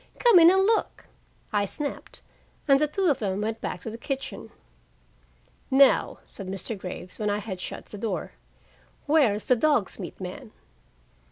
Come in and look," I snapped. And the two of them went back to the kitchen. "Now," said Mr. Graves, when I had shut the door, "where's the dog's meat man?"